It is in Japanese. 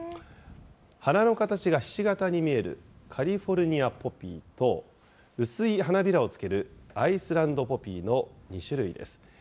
花の形がひし形に見えるカリフォルニアポピーと、薄い花びらをつけるアイスランドポピーの２種類です。